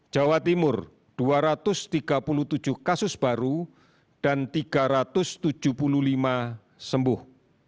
jawa timur dua ratus tiga puluh tujuh kasus baru dan tiga ratus tujuh puluh lima sembuh